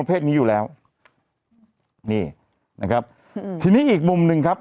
เพศนี้อยู่แล้วนี่นะครับอืมทีนี้อีกมุมหนึ่งครับ